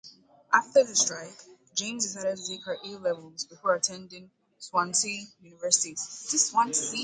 After the strike, James decided to take her A-Levels, before attending Swansea University.